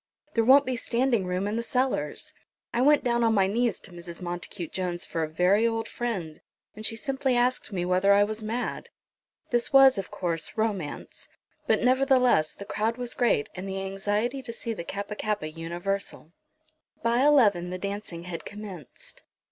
"There won't be standing room in the cellars. I went down on my knees to Mrs. Montacute Jones for a very old friend, and she simply asked me whether I was mad." This was, of course, romance; but, nevertheless, the crowd was great, and the anxiety to see the Kappa kappa universal. By eleven the dancing had commenced.